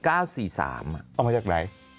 เอามาจากไหน